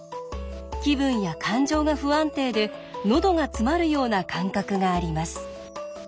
気分や感情が不安定でのどが詰まるような感覚があります。